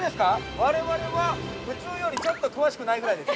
我々は、普通よりちょっと詳しくないぐらいです。